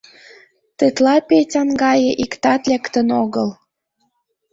Тетла Петян гае иктат лектын огыл.